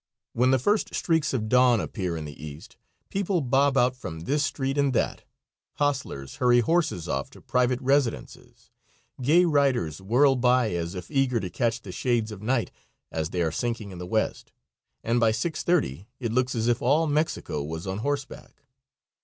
When the first streaks of dawn appear in the east people bob out from this street and that, hostlers hurry horses off to private residences, gay riders whirl by as if eager to catch the shades of night as they are sinking in the west, and by 6:30 it looks as if all Mexico was on horseback.